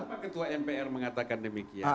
kenapa ketua mpr mengatakan demikian